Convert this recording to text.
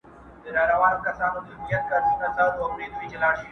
اوس حیا پکښي خرڅیږي بازارونه دي چي زیږي!